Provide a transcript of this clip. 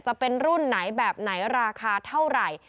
จะเป็นรุ่นไหนแบบไหนราคาเท่าไหร่